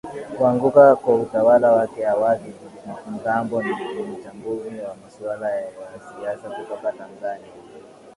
kuanguka kwa utawala wake awadhi mgambo ni mchambuzi wa masuala ya siasa kutoka tanzania